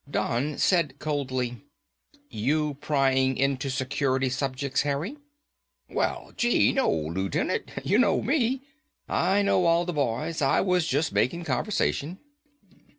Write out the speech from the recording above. Don said coldly, "You prying into security subjects, Harry?" "Well, gee, no Lootenant. You know me. I know all the boys. I was just making conversation."